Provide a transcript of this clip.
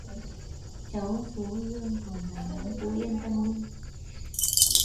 cháu số dương còn dài lắm cứ yên tâm đi